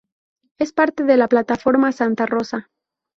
Es parte de la Plataforma Santa Rosa.